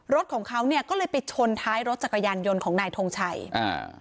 รถของเขาเนี่ยก็เลยไปชนท้ายรถจักรยานยนต์ของนายทงชัยอ่า